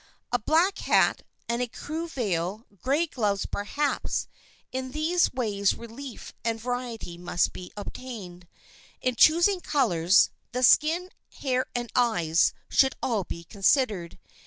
A black hat, an écru veil, gray gloves perhaps—in these ways relief and variety must be obtained. In choosing colors, the skin, hair and eyes should all be considered.